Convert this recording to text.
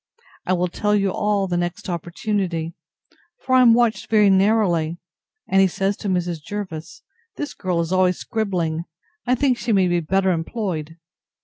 I will tell you all, the next opportunity; for I am watched very narrowly; and he says to Mrs. Jervis, This girl is always scribbling; I think she may be better employed.